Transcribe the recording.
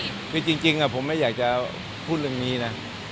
แต่นี่เนี่ยคือคือจริงผมไม่อยากจะพูดเรื่องนี้นะ